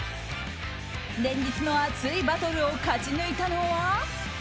連日の熱いバトルを勝ち抜いたのは。